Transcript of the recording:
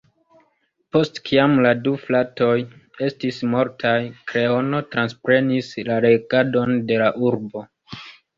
Post kiam la du fratoj estis mortaj, "Kreono" transprenis la regadon de la urbo.